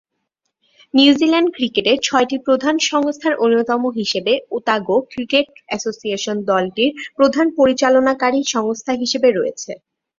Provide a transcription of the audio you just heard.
New Zealand ক্রিকেটের ছয়টি প্রধান সংস্থার অন্যতম হিসেবে ওতাগো ক্রিকেট অ্যাসোসিয়েশন দলটির প্রধান পরিচালনাকারী সংস্থা হিসেবে রয়েছে।